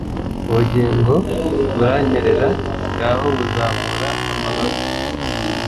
Ubugingo buranyerera ngaho buzamura amababa